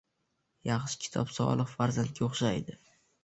Yaxshi kitob solih farzandga o‘xshaydi.